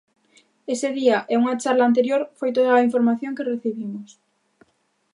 Ese día e unha charla anterior foi toda a formación que recibimos.